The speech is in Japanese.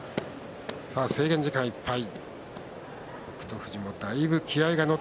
制限時間いっぱい。